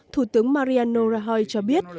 thủ tướng mariano rajoy cho biết